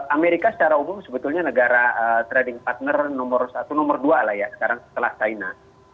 amerika secara umum sebetulnya negara trading partner nomor satu nomor dua lah ya sekarang setelah china